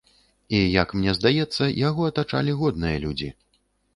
І як мне здаецца, яго атачалі годныя людзі.